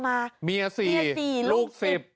เมีย๔ลูก๑๐